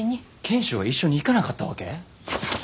賢秀は一緒に行かなかったわけ？